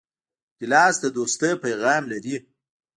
ګیلاس د دوستۍ پیغام لري.